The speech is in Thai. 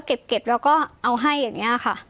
เก็บแล้วก็เอาให้อย่างนี้ค่ะ